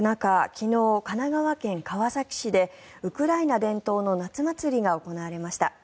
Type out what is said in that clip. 昨日、神奈川県川崎市でウクライナ伝統の夏祭りが行われました。